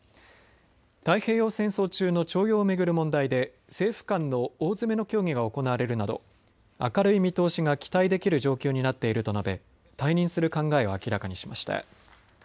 太平洋戦争中の徴用を巡る問題で政府間の大詰めの協議が行われるなど明るい見通しが期待できる状況になっていると述べ退任する考えを明らかにしました。